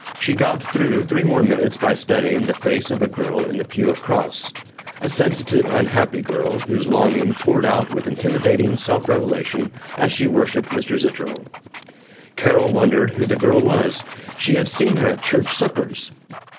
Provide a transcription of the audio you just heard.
She got through three more minutes by studying the face of a girl in the pew across: a sensitive unhappy girl whose longing poured out with intimidating self revelation as she worshiped Mr. Zitterel. Carol wondered who the girl was. She had seen her at church suppers.